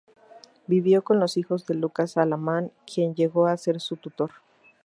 Vivió con los hijos de Lucas Alamán, quien llegó a ser su tutor.